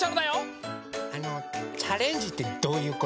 あのチャレンジってどういうこと？